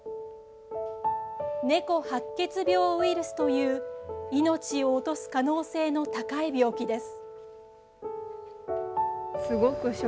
猫白血病ウイルスという命を落とす可能性の高い病気です。